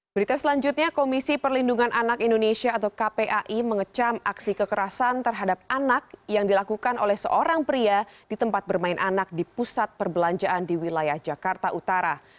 berita selanjutnya komisi perlindungan anak indonesia atau kpai mengecam aksi kekerasan terhadap anak yang dilakukan oleh seorang pria di tempat bermain anak di pusat perbelanjaan di wilayah jakarta utara